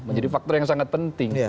menjadi faktor yang sangat penting